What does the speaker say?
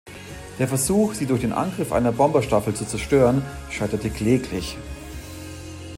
Der Versuch, sie durch den Angriff einer Bomberstaffel zu zerstören, scheitert kläglich.